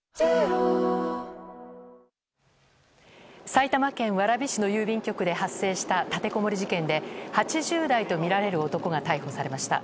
埼玉県蕨市の郵便局で発生した立てこもり事件で８０代とみられる男が逮捕されました。